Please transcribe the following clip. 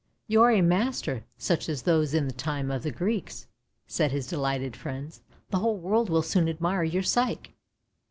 " You are a master, such as those in the time of the Greeks," said his delighted friends. ;' The whole world will soon admire your Psyche."